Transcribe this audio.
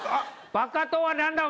バカとは何だ。